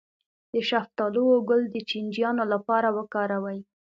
د شفتالو ګل د چینجیانو لپاره وکاروئ